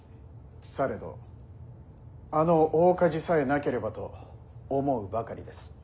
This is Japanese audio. されどあの大火事さえなければと思うばかりです。